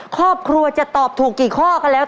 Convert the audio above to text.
ครอบครัวจะตอบถูกกี่ข้อก็แล้ว